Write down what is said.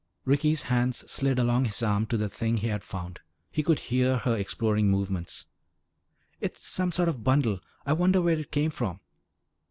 Ricky's hands slid along his arm to the thing he had found. He could hear her exploring movements. "It's some sort of a bundle. I wonder where it came from."